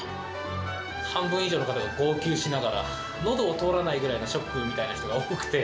半分以上の方が号泣しながら、のどを通らないぐらいのショックみたいな人が多くて。